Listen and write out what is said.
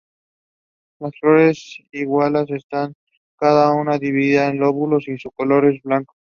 Las flores liguladas están cada una dividida en lóbulos y son de color blanco.